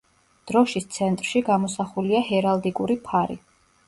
დროშის ცენტრში გამოსახულია ჰერალდიკური ფარი.